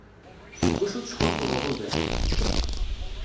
Deg wacu teckenṭḍeḍ ugar?